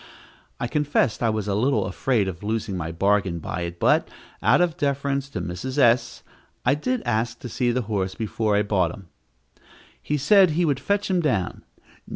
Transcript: I confess I was a little afraid of losing my bargain by it, but, out of deference to Mrs. S., I did ask to see the horse before I bought him. He said he would fetch him down.